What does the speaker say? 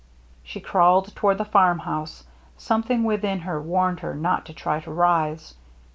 She crawled toward the farm house; some thing within her warned her not to try to rise.